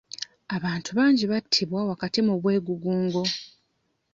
Abantu bangi battibwa wakati mu bwegugungo.